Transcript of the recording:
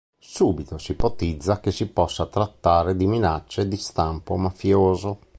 Subito si ipotizza che si possa trattare di minacce di stampo mafioso.